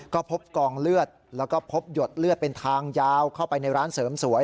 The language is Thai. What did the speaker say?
ก็พบกองเลือดแล้วก็พบหยดเลือดเป็นทางยาวเข้าไปในร้านเสริมสวย